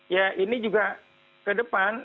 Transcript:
ya ini juga ke depan